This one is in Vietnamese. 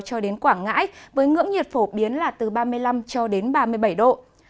cho đến quảng ngãi với ngưỡng nhiệt phổ biến là từ ba mươi năm ba mươi bảy độ